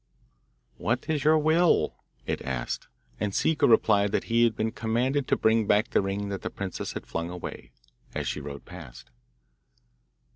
'What is your will?' it asked; and Ciccu replied that he had been commanded to bring back the ring that the princess had flung away, as she rode past.